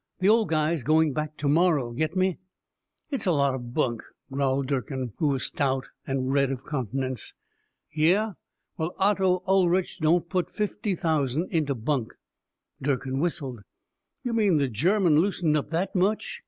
The old guy's going back to morrow, get me?" "It's a lot of bunk," growled Durkin, who was stout and red of countenance. "Yeh? Well, Otto Ulrich don't put fifty thousand into bunk." Durkin whistled. "You mean the German loosened up that much?"